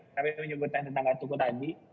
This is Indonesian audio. kami menyebutkan tetangga tuku tadi